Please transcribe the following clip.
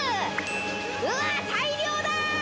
うわ大量だ！